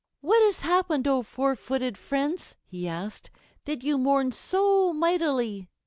"What has happened, O four footed friends," he asked, "that you mourn so mightily?"